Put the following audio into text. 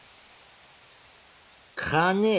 金？